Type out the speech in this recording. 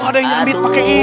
ada yang nyambit pakai itu